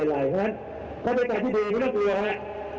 เพราะฉะนั้นถ้าใจจานที่ดีไม่ต้องกลัวครับ